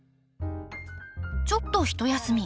ちょっとひと休み。